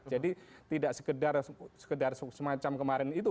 jadi tidak sekedar semacam kemarin itu